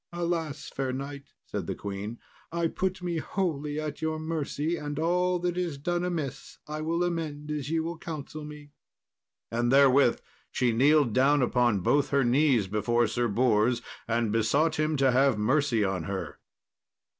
"Alas! fair knight," said the queen, "I put me wholly at your mercy, and all that is done amiss I will amend as ye will counsel me." And therewith she kneeled down upon both her knees before Sir Bors, and besought him to have mercy on her.